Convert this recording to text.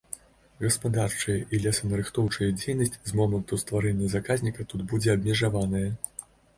Гаспадарчая і лесанарыхтоўчая дзейнасць з моманту стварэння заказніка тут будзе абмежаваная.